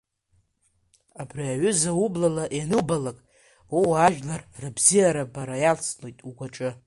Абри аҩыза ублала ианубалак, ууаажәлар рыбзиабара иацлоит угәаҿы…